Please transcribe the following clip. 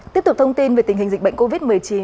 tiếp tục thông tin về tình hình dịch bệnh covid một mươi chín